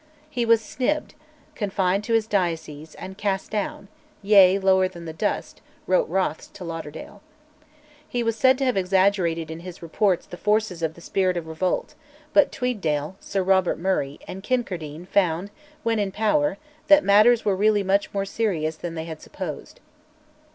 He was "snibbed," confined to his diocese, and "cast down, yea, lower than the dust," wrote Rothes to Lauderdale. He was held to have exaggerated in his reports the forces of the spirit of revolt; but Tweeddale, Sir Robert Murray, and Kincardine found when in power that matters were really much more serious than they had supposed.